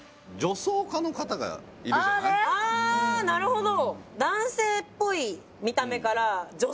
あなるほど。